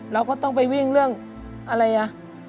เราก็ต้องไปวิ่งเรื่องอะไรอ่ะ